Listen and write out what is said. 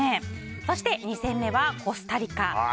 そして２戦目はコスタリカ。